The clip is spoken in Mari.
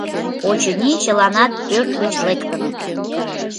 Очыни, чыланат пӧрт гыч лектыныт.